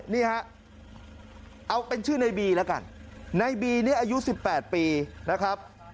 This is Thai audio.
นี่ฮะเอาเป็นชื่อในบีแล้วกันในบีนี่อายุ๑๘ปีนะครับ